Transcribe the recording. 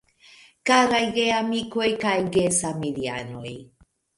Karaj geamikoj kaj gesamideanoj.